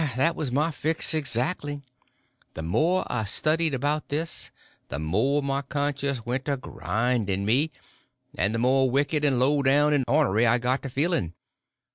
That was my fix exactly. The more I studied about this the more my conscience went to grinding me, and the more wicked and low down and ornery I got to feeling.